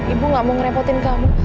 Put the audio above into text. ibu gak mau ngerepotin kamu